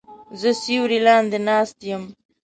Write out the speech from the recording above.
زه سیوری لاندې ناست یم